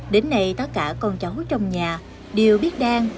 đến nay tất cả con cháu trong nhà đều biết đang